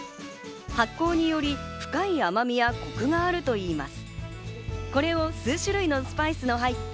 発酵により深い甘みやコクがあるといいます。